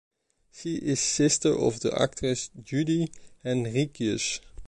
She is sister of the actress Judy Henríquez.